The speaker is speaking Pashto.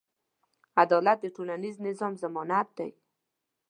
عدالت د ټولنیز نظم ضمانت دی.